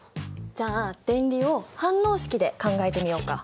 じゃあ電離を反応式で考えてみようか。